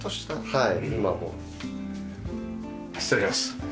はい。